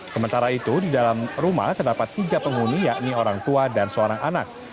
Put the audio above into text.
sementara itu di dalam rumah terdapat tiga penghuni yakni orang tua dan seorang anak